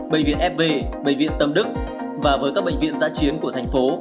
bệnh viện fb bệnh viện tâm đức và với các bệnh viện giã chiến của thành phố